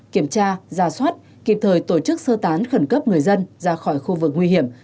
kiểm tra ra soát kịp thời tổ chức sơ tán khẩn cấp người dân ra khỏi khu vực nguy hiểm